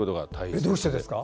どうしてですか？